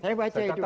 saya baca itu